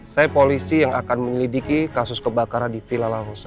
saya polisi yang akan menyelidiki kasus kebakaran di vila laosa